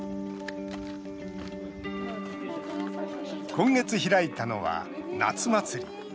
今月開いたのは、夏祭り。